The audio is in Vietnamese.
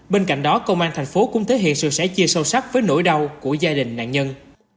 bên cạnh đó công an thành phố cũng thể hiện sự sẻ chia sâu sắc với nỗi đau của gia đình nạn nhân